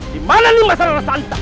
di mana nih masalah resanta